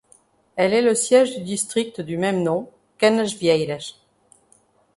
Elle est le siège du district du même nom, Canasvieiras.